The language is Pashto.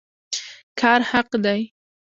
کار حق دی